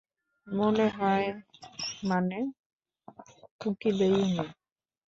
মনে হয় মানে, উকিলেই উনি।